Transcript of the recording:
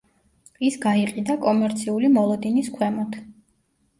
ის გაიყიდა კომერციული მოლოდინის ქვემოთ.